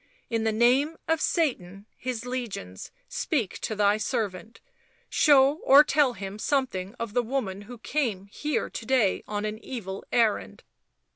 " In the name of Satan, his legions, speak to thy servant, show or tell him something of the woman who came here to day on an evil errand."